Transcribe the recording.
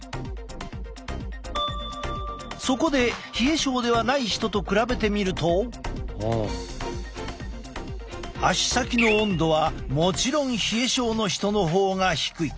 そこで冷え症ではない人と比べてみると足先の温度はもちろん冷え症の人の方が低い。